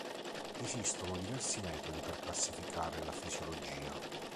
Esistono diversi metodi per classificare la fisiologia